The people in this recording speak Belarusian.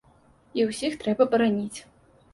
І ўсіх трэба бараніць.